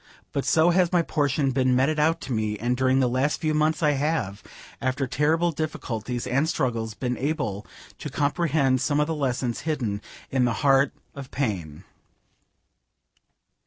But so has my portion been meted out to me; and during the last few months I have, after terrible difficulties and struggles, been able to comprehend some of the lessons hidden in the heart of pain.